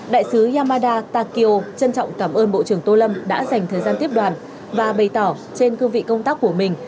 đại sứ yamada takio trân trọng cảm ơn bộ trưởng tô lâm đã dành thời gian tiếp đoàn và bày tỏ trên cương vị công tác của mình